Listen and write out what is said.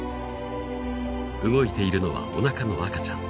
動いているのはおなかの赤ちゃん。